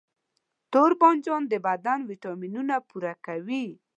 توربانجان د بدن ویټامینونه پوره کوي.